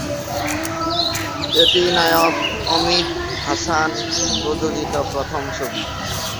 এটিই নায়ক অমিত হাসান প্রযোজিত প্রথম ছবি।